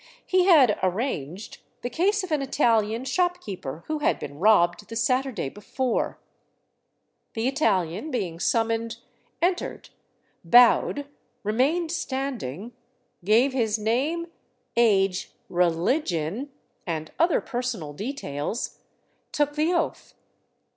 He had " arranged " the case of an Italian shopkeeper who had been robbed the Saturday before. The Italian, being summoned, entered, bowed, remained 448 THE CITY OF THE SUN standing, gave his name, age, religion, and other personal details, took the oath.